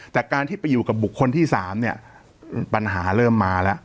แต่การที่ไปอยู่กับบุคคลที่๓เนี่ยปัญหาเริ่มมาแล้ว